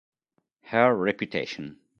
Her Reputation